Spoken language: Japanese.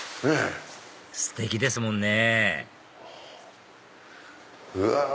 ステキですもんねうわ。